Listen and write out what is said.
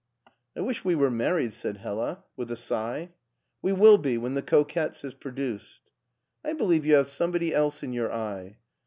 I wish we were married," said Hdla with a sigh. We will be when the ' Coquettes ' is produced." " I believe you have somebody else in your eye."